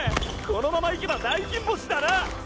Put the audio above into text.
このままいけば大金星だな！